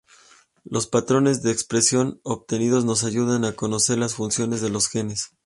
Los patrones de expresión obtenidos nos ayudan a conocer las funciones de los genes.